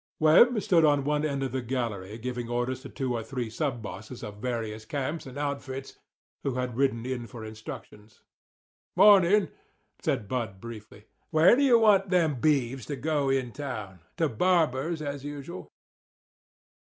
Webb stood on one end of the gallery giving orders to two or three sub bosses of various camps and outfits who had ridden in for instructions. "Morning," said Bud briefly. "Where do you want them beeves to go in town—to Barber's, as usual?"